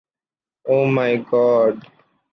Oh my god